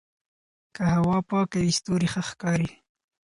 که هوا پاکه وي ستوري ښه ښکاري.